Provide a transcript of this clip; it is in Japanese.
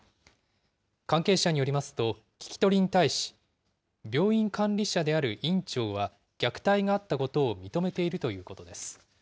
関係者によりますと、聞き取りに対し、病院管理者である院長は、虐待があったことを認めているということです。